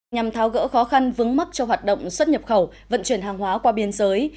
nhằm tháo gỡ khó khăn vướng mắt cho hoạt động xuất nhập khẩu vận chuyển hàng hóa qua biên giới